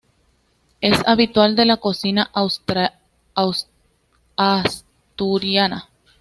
Es habitual de la cocina asturiana.